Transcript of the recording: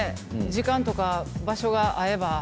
時間とか場所が合えば。